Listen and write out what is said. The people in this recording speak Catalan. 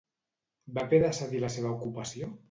Va haver de cedir la seva ocupació?